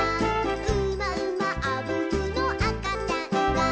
「うまうまあぶぶのあかちゃんが」